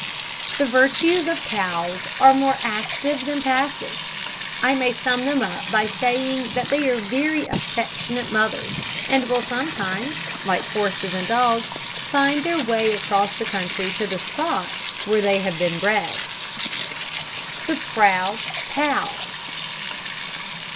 The virtues of cows are more active than passive. I may sum them up by saying that they are very affectionate mothers, and will sometimes, like horses and dogs, find their way across the country to the spot where they have been bred. THE PROUD COW.